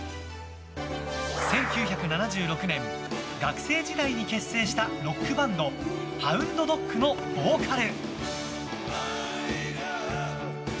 １９７６年、学生時代に結成したロックバンドＨＯＵＮＤＤＯＧのボーカル。